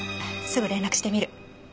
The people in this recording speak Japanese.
すぐ連絡してみる。